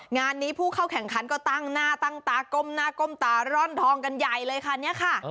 งานนี้ผู้เข้าแข่งขันก็ตั้งหน้าตั้งตาก้มหน้าก้มตาร่อนทองกันใหญ่เลยค่ะเนี่ยค่ะ